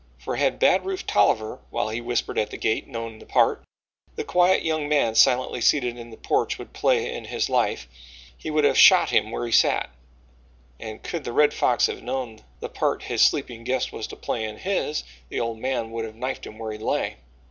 For had Bad Rufe Tolliver, while he whispered at the gate, known the part the quiet young man silently seated in the porch would play in his life, he would have shot him where he sat: and could the Red Fox have known the part his sleeping guest was to play in his, the old man would have knifed him where he lay.